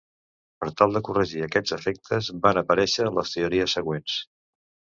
Per tal de corregir aquests defectes van aparèixer les teories següents.